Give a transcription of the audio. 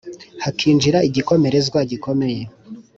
hakinjira igikomerezwa gikomeye